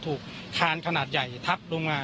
ถูกคามระดาษใหญ่ทับลงมา